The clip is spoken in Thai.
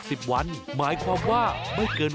หรือประกาศรับรองสอสอไม่เกิน๖๐วัน